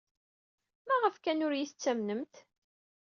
Maɣef kan ur iyi-tettamnemt?